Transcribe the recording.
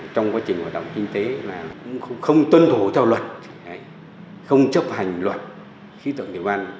trong quá trình hoạt động kinh tế không tuân thủ cho luật không chấp hành luật khí tượng thủy văn